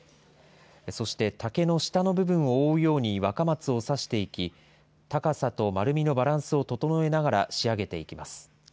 そして、竹の下の部分を覆うように若松を刺していき、高さと丸みのバランスを整えながら、仕上げていきます。